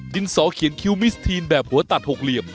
ดินสอเขียนคิวมิสทีนแบบหัวตัดหกเหลี่ยม